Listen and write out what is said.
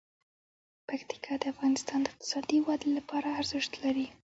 پکتیکا د افغانستان د اقتصادي ودې لپاره ارزښت لري.